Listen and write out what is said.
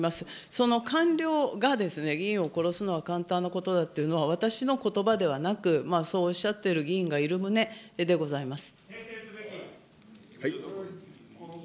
その官僚が議員を殺すのは簡単なことだというのは私のことばではなく、そうおっしゃってる議員がいる旨でございます。